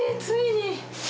ついに。